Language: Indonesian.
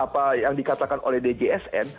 apa yang dikatakan oleh djsn